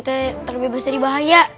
dan yang ancestral